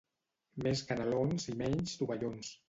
Més canelons i menys tovallons.